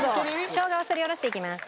しょうがをすりおろしていきます。